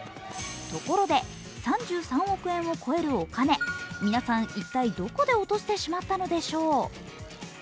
ところで３３億円を超えるお金、皆さん、一体どこで落としてしまったのでしょう？